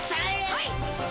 はい！